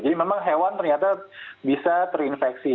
jadi memang hewan ternyata bisa terinfeksi